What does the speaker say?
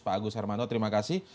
pak agus hermanto terima kasih